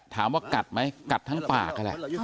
ถามว่ากัดไหมกัดทั้งปาก